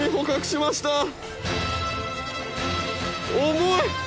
重い！